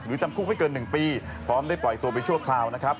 จำคุกไม่เกิน๑ปีพร้อมได้ปล่อยตัวไปชั่วคราวนะครับ